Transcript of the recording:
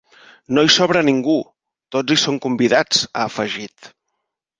No hi sobra ningú, tots hi som convidats, ha afegit .